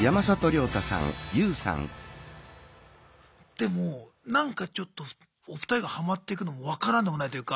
でもなんかちょっとお二人がハマってくのも分からんでもないというか。